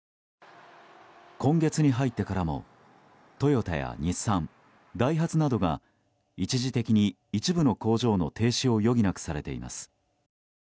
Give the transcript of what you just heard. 今月に入ってからもトヨタや日産、ダイハツなどが一時的に一部の工場の停止を余儀なくされています。